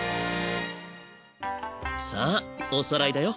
さあおさらいだよ。